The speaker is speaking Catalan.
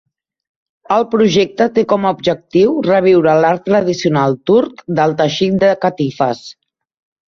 El projecte té com a objectiu reviure l'art tradicional turc del teixit de catifes.